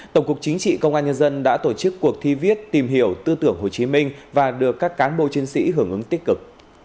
tổng cục chính trị công an nhân dân đã tổ chức cuộc thi viết tìm hiểu tư tưởng hồ chí minh và được các cán bộ chiến sĩ hưởng ứng tích cực